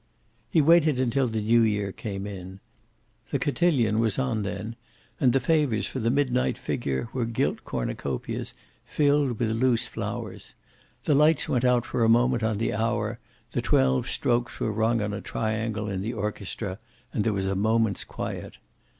He waited until the New year came in. The cotillion was on then, and the favors for the midnight figure were gilt cornucopias filled with loose flowers. The lights went out for a moment on the hour, the twelve strokes were rung on a triangle in the orchestra, and there was a moment's quiet.